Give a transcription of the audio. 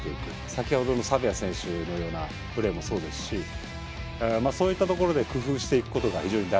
先ほどのサベア選手のようなプレーもそうですしそういったところで工夫していくことが非常に大事かなと思いますね。